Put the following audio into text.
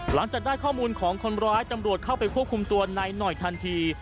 หลังจากได้ข้อมูลของคนร้ายตำรวจเข้าไปควบคุมตัวนายหน่อยทันที